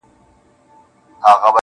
سره رڼا د سُرکو سونډو په کوټه کي,